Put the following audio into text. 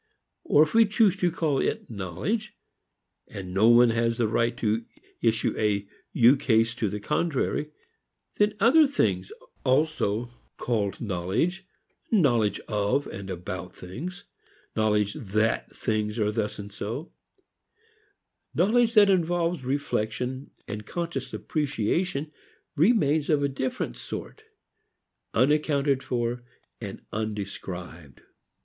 Or, if we choose to call it knowledge and no one has the right to issue an ukase to the contrary then other things also called knowledge, knowledge of and about things, knowledge that things are thus and so, knowledge that involves reflection and conscious appreciation, remains of a different sort, unaccounted for and undescribed.